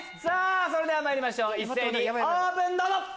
それではまいりましょう一斉にオープン！